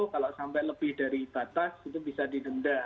kalau sampai lebih dari batas itu bisa didenda